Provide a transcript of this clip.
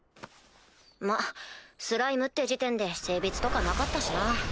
まっスライムって時点で性別とかなかったしな。